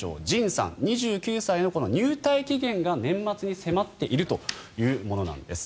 ＪＩＮさん、２９歳の入隊期限が年末に迫っているというものなんです。